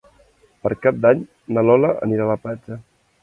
Per Cap d'Any na Lola anirà a la platja.